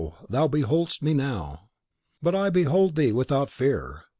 thou beholdest me now!" "But I behold thee without fear!